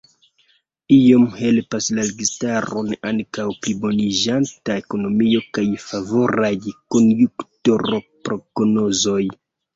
Iom helpas la registaron ankaŭ pliboniĝanta ekonomio kaj favoraj konjunktur-prognozoj.